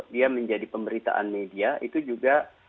dia menjadi pemberitaan media itu juga